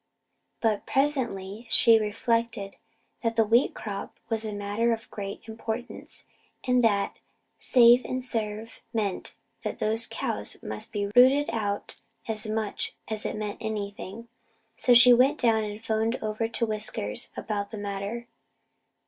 But presently she reflected that the wheat crop was a matter of great importance and that 'save and serve' meant that those cows must be routed out as much as it meant anything. So she went down and phoned over to Whiskers about the matter.